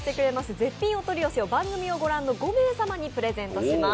絶品お取り寄せを番組のご覧の皆様５名様にプレゼントします。